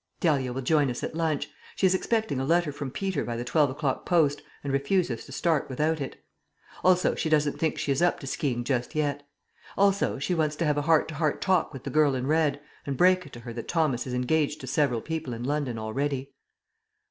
"Dahlia will join us at lunch. She is expecting a letter from Peter by the twelve o'clock post and refuses to start without it. Also she doesn't think she is up to ski ing just yet. Also she wants to have a heart to heart talk with the girl in red, and break it to her that Thomas is engaged to several people in London already."